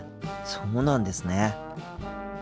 そうなんです。